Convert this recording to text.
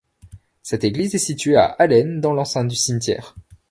Cette église est située à Allaines, dans l'enceinte du cimetière.